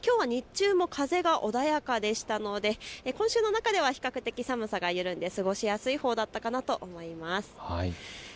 きょう日中も風が穏やかでしたので今週の中では比較的寒さが緩んで過ごしやすいほうだったかなと思います。